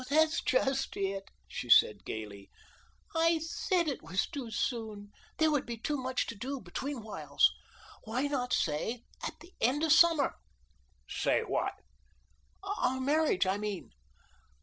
"That's just it," she said gayly. "I said it was too soon. There would be so much to do between whiles. Why not say at the end of the summer?" "Say what?" "Our marriage, I mean."